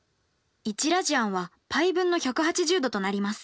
１ラジアンはπ分の１８０°となります。